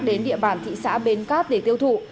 đến địa bàn thị xã bến cát để tiêu thụ